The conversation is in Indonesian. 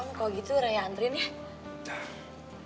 om kalau gitu raya antri nih